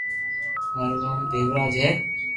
مارو نوم ديوراج ھئ